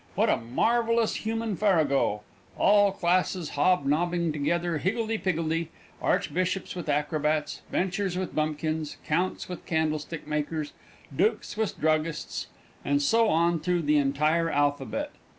What a marvellous human farrago! All classes hobnobbing together higgledy piggledy; archbishops with acrobats; benchers with bumpkins; counts with candlestickmakers; dukes with druggists; and so on through the entire alphabet.